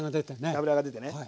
脂が出てね。